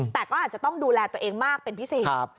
แต่ก็อาจจะต้องดูแลตัวเองมากเป็นพิเศษ